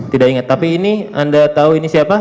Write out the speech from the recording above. tidak ingat tapi ini anda tahu ini siapa